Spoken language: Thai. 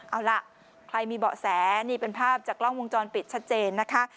เอาล่ะใครมีเบาะแสนี่เป็นภาพจากกล้องวงจรปิดชัดเจนนะคะ